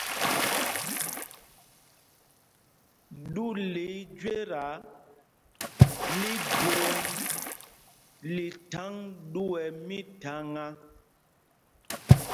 Ɗú lɛ́ íjüéta lí jwǒŋ lí thaŋ ɗú ɛ mítháŋá.